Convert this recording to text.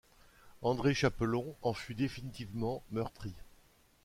André Chapelon en fut définitivement meurtri.